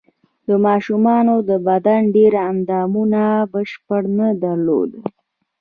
ماشومانو د بدن ډېر اندامونه بشپړ نه درلودل.